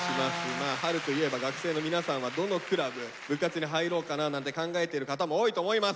まあ春といえば学生の皆さんはどのクラブ部活に入ろうかななんて考えてる方も多いと思います。